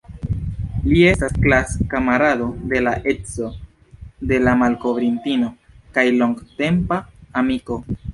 Li estas klas-kamarado de la edzo de la malkovrintino kaj longtempa amiko.